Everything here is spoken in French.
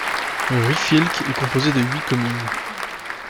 Le Ryfylke est composé de huit communes.